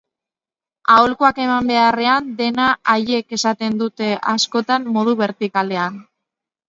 Aholkuak eman beharrean, dena haiek esaten dute askotan, modu bertikalean.